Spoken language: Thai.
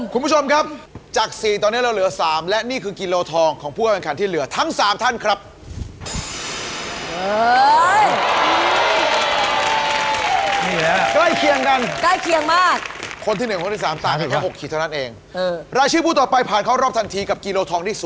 ขอให้ทุกคนช่วงดี